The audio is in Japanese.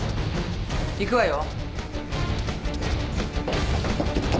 行くわよ。